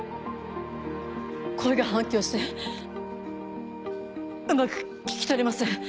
声が反響してうまく聞き取れません。